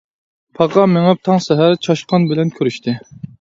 پاقا مېڭىپ تاڭ سەھەر، چاشقان بىلەن كۆرۈشتى.